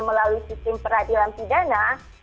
melalui sistem peradilan pidana